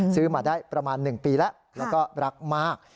ซื้อมาได้ประมาณ๑ปีแล้วแล้วก็รักมาก